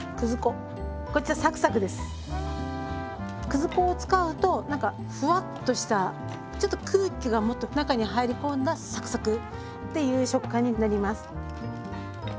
くず粉を使うとなんかふわっとしたちょっと空気がもっと中に入り込んだサクサクっていう食感になります。